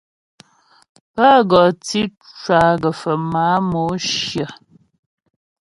Pə́ gɔ tǐ cwa gə́fə máa Mǒshyə.